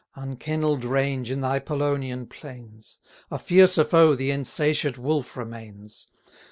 Unkennell'd range in thy Polonian plains; A fiercer foe the insatiate Wolf remains.